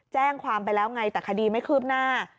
แจ้งความไปแล้วไงแต่คดีไม่คืบหน้า